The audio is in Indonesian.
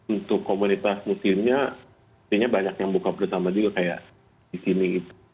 untuk komunitas musimnya sepertinya banyak yang buka bersama juga kayak di sini